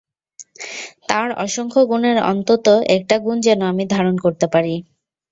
তাঁর অসংখ্য গুণের অন্তত একটা গুণ যেন আমি ধারণ করতে পারি।